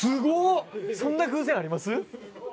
そんな偶然あります？